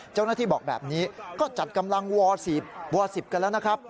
เจ้าหน้าที่บอกแบบนี้ก็จัดกำลังว๑๐ว๑๐กันแล้วนะครับ